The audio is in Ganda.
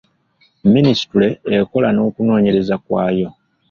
Minisitule ekola n'okunoonyereza kwayo.